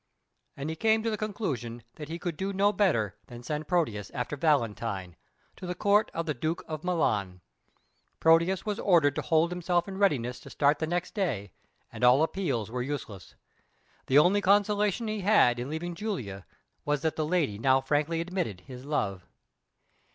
And he came to the conclusion that he could not do better than send Proteus after Valentine, to the Court of the Duke of Milan. Proteus was ordered to hold himself in readiness to start the next day, and all appeals were useless. The only consolation he had in leaving Julia was that the lady now frankly admitted her love.